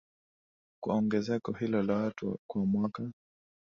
Kwa ongezeko hilo la watu kwa mwaka